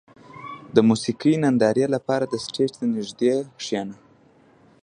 • د موسیقۍ نندارې لپاره د سټېج ته نږدې کښېنه.